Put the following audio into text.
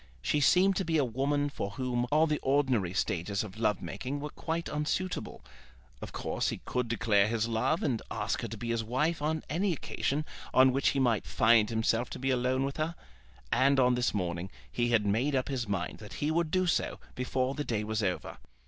She seemed to be a woman for whom all the ordinary stages of love making were quite unsuitable, Of course he could declare his love and ask her to be his wife on any occasion on which he might find himself to be alone with her. And on this morning he had made up his mind that he would do so before the day was over.